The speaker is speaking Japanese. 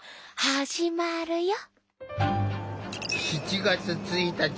始まるよ！